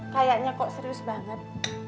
kayaknya kok serius banget